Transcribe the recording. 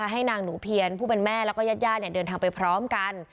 ให้นางหนูเพียรผู้เป็นแม่แล้วก็ญาติเดินทางไปพร้อมกัน